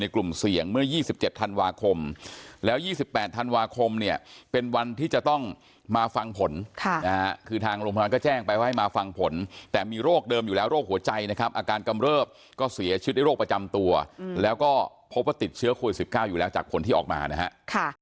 คือทางโรงพยาบาลก็แจ้งไปว่าให้มาฟังผลแต่มีโรคเดิมอยู่แล้วโรคหัวใจนะครับอาการกำเริบก็เสียชีวิตได้โรคประจำตัวแล้วก็พบว่าติดเชื้อโคล๑๙อยู่แล้วจากคนที่ออกมานะฮะ